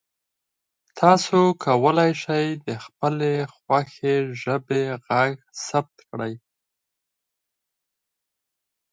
تاسو کولی شئ د خپلې خوښې ژبې غږ ثبت کړئ.